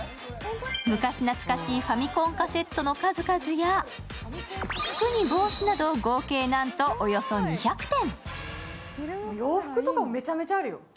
昔懐かしいファミコンカセットの数々や服に帽子など合計なんとおよそ２００点。